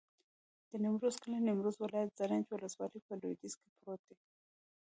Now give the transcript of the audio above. د نیمروز کلی د نیمروز ولایت، زرنج ولسوالي په لویدیځ کې پروت دی.